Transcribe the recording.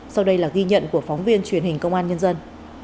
sau đây là ghi nhận của phóng viên truyền hình công an nhân dân